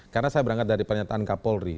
karena saya berangkat dari pernyataan kapolri